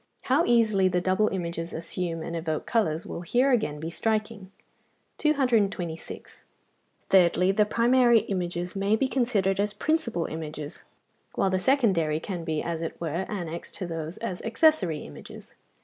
How easily the double images assume and evoke colours will here again be striking. 226. Thirdly, the primary images may be considered as principal images, while the secondary can be, as it were, annexed to these as accessory images.